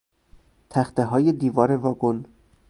تختههای دیوار واگن